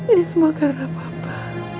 ini semua karena papa